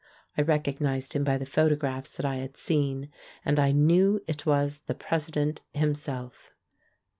I recognised him by the photographs that I had seen — and I knew it was the President him self.